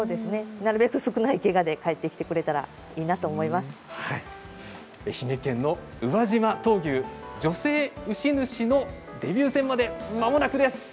なるべく少ないけがでかえってくれたら愛媛県の宇和島闘牛女性牛主のデビュー戦までまもなくです。